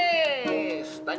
ada yang bener sekarang